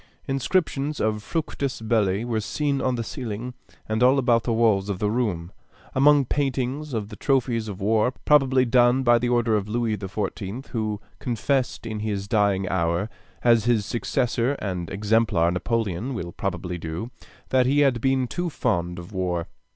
Inscriptions of Fructus Belli were seen on the ceiling and all about the walls of the room, among paintings of the trophies of war; probably done by the order of Louis XIV., who confessed in his dying hour, as his successor and exemplar Napoleon will probably do, that he had been too fond of war.